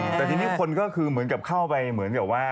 แต่ทีนี้คนก็คือเหมือนกับเข้าไปเหมือนกับว่า